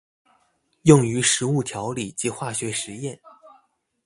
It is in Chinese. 用于食物调理及化学实验。